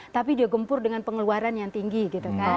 tapi dia gempur dengan pengeluaran yang tinggi gitu kan